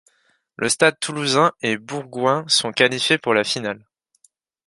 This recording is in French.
Le Stade toulousain et Bourgoin sont qualifiés pour la finale.